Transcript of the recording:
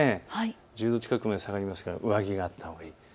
１０度近くまで下がりますから上着があったほうがいいです。